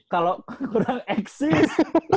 kalau kurang eksis temi